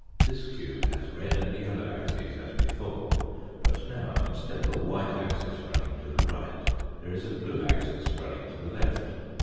This cube has red and yellow axes as before ; but now, instead of a white axis running to the right, there is a blue axis running to the left.